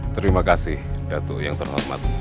terima kasih datu yang terhormat